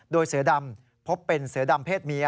โดยเสือดำพบเป็นเสือดำเพศเมีย